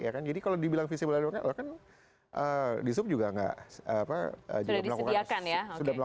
iya kan jadi kalau dibilang visible recognize bahkan heem di soup juga nggak apa